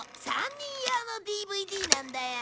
３人用のＤＶＤなんだよ！